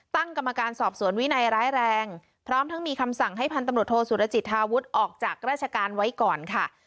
ตั้งกรรมการสอบสวนวินัยร้ายแรงพร้อมทั้งมีคำสั่งให้พันตำรวจโทษสุรจิตธาวุฒิออกจากราชการไว้ก่อนค่ะ